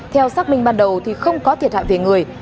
theo xác minh ban đầu thì không có thiệt hại về người